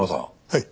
はい。